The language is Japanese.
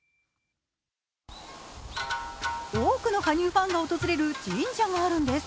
多くの羽生ファンが訪れる神社があるんです。